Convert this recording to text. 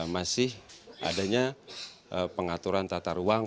masih adanya pengaturan tata ruang